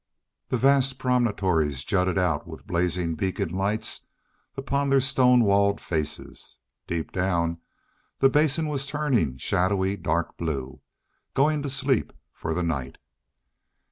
The vast promontories jutted out with blazing beacon lights upon their stone walled faces. Deep down, the Basin was turning shadowy dark blue, going to sleep for the night.